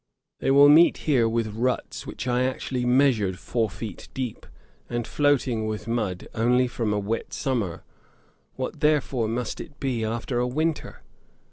They will here meet with ruts which I actually measured four feet deep, and floating with mud only from a wet summer; what therefore must it be after a winter?'